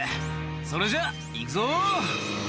それじゃいくぞ」